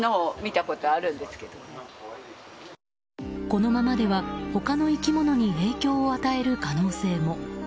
このままでは他の生き物に影響を与える可能性も。